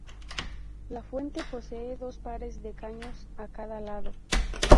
La fuente posee dos pares de caños a cada lado.